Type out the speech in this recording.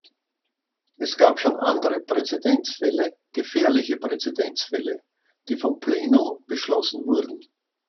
Es gab schon andere Präzedenzfälle, gefährliche Präzedenzfälle, die vom Plenum beschlossen wurden.